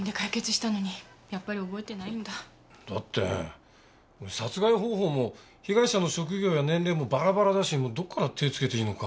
だって殺害方法も被害者の職業や年齢もバラバラだしもうどこから手つけていいのか。